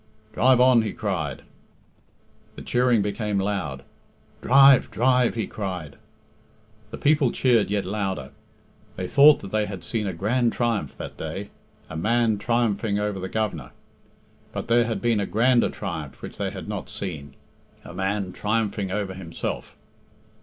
"Drive on," he cried. The cheering became loud. "Drive, drive," he cried. The people cheered yet louder. They thought that they had seen a grand triumph that day a man triumphing over the Governor. But there had been a grander triumph which they had not seen a man triumphing over himself.